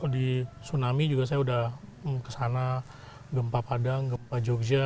di tsunami juga saya sudah kesana gempa padang gempa jogja